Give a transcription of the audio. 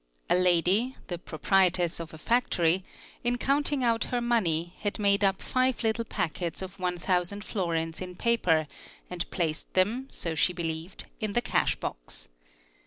A lady, the proprietress of a factory, in counting out her money, had made up five little packets of 1,000 florins in paper and placed them, so she ; believed, in the cash box.